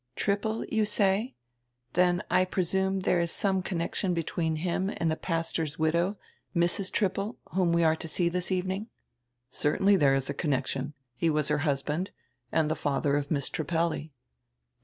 "Trippel, you say? Then, I presume, diere is some connection between him and die pastor's widow, Mrs. Trip pel, whom we are to see this evening." "Certainly there is a connection. He was her husband, and die father of Miss Trippelli."